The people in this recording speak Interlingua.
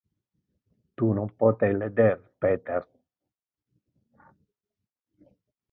Tu non pote leder Peter.